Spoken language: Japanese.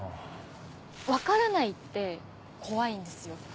分からないって怖いんですよ。